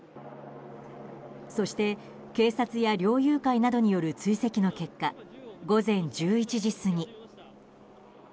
そして、警察や猟友会などによる追跡の結果午前１１時過ぎ。